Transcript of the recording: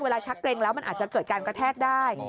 ชักเกร็งแล้วมันอาจจะเกิดการกระแทกได้